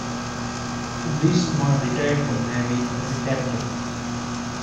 Leestma retired from the Navy as a Captain.